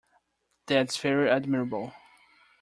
That's very admirable".